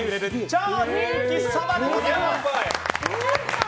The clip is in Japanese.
超人気そばでございます。